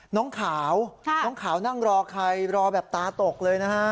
น้องขาวน้องขาวนั่งรอใครรอแบบตาตกเลยนะฮะ